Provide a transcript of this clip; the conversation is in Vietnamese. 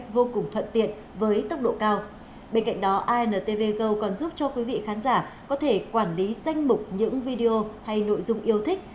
bên cạnh đó antv go còn giúp cho quý vị khán giả có thể quản lý danh mục những video hay nội dung yêu thích